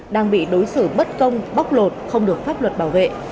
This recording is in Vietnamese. đang bị đối xử bất công bóc lột không được pháp luật bảo vệ